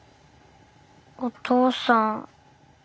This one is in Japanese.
お父さん。